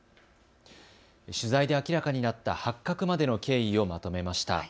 取材で明らかになった発覚までの経緯をまとめました。